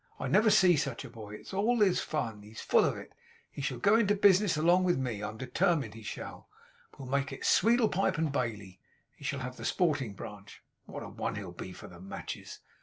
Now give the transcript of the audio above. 'I never see sech a boy! It's all his fun. He's full of it. He shall go into the business along with me. I am determined he shall. We'll make it Sweedlepipe and Bailey. He shall have the sporting branch (what a one he'll be for the matches!)